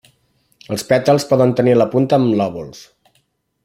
Els pètals poden tenir la punta amb lòbuls.